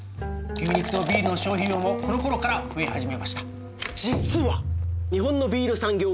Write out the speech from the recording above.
牛肉とビールの消費量もこのころから増え始めました。